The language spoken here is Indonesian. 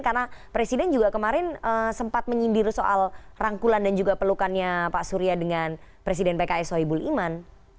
karena presiden juga kemarin sempat menyindir soal rangkulan dan juga pelukannya pak surya dengan presiden pks soebul iman